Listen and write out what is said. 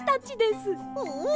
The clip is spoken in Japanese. おお！